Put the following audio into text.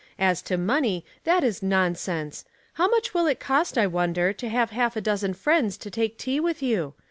As to money, that is non sense I How much will it cost, I wonder, to have half a dozen friends to take tea with you?